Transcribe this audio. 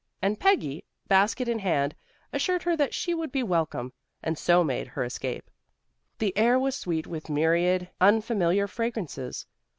And Peggy, basket in hand, assured her that she would be welcome, and so made her escape. The air was sweet with myriad unfamiliar fragrances.